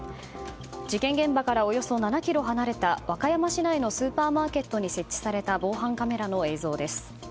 事件現場からおよそ７ｋｍ離れた和歌山市内のスーパーマーケットに設置された防犯カメラの映像です。